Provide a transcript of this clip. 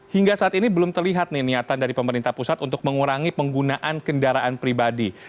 hingga saat ini belum terlihat nih niatan dari pemerintah pusat untuk mengurangi penggunaan kendaraan pribadi